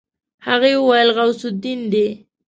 هغې وويل غوث الدين دی.